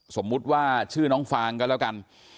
สมมุติว่าชื่อน้องฟางก็แล้วกัน